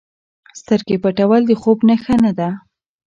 سترګې پټول د خوب نښه نه ده.